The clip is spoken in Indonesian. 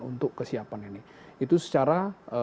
untuk kesiapan ini itu secara